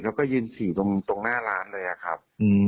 เขาก็ยืนฉี่ตรงหน้าร้านเลยครับ